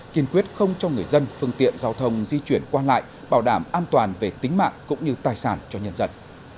kiên quyết không cho người dân phương tiện giao thông di chuyển qua lại bảo đảm an toàn về tính mạng cũng như tài sản cho nhân dân